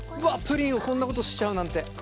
プリンをこんなことしちゃうなんて珍しい。